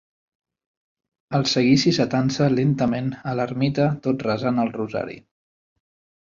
El seguici s'atansa lentament a l'ermita tot resant el rosari.